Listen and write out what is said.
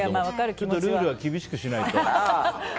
ちょっとルールは厳しくしないと。